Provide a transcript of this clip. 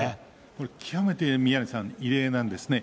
これ、極めて宮根さん、異例なんですね。